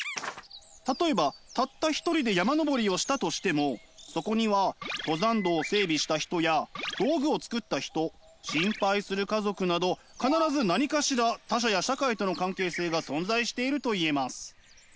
例えばたった一人で山登りをしたとしてもそこには登山道を整備した人や道具を作った人心配する家族など必ず何かしら他者や社会との関係性が存在しているといえます。